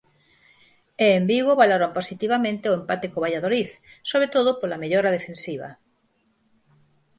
E en Vigo valoran positivamente o empate co Valladolid, sobre todo pola mellora defensiva.